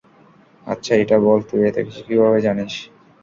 আচ্ছা এটা বল, তুই এতকিছু কীভাবে জানিস?